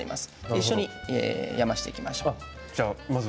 一緒にやましていきましょう。